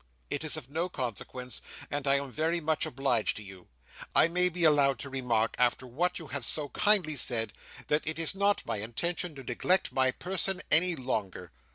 It is of no consequence, and I am very much obliged to you. I may be allowed to remark, after what you have so kindly said, that it is not my intention to neglect my person any longer."